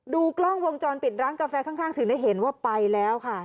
ดูกล้องวงจรปิดร้านกาแฟข้างถึงได้เห็นว่าไปแล้วค่ะ